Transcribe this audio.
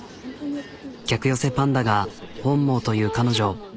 客寄せパンダが本望という彼女。